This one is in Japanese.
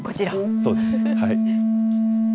そうです。